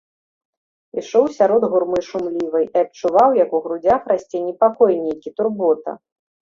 Ішоў сярод гурмы шумлівай і адчуваў, як у грудзях расце непакой нейкі, турбота.